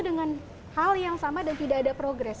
dengan hal yang sama dan tidak ada progres